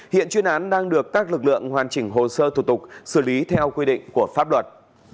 hiện chuyên án đang được các lực lượng hoàn chỉnh hồ sơ thủ tục xử lý theo quy định của pháp luật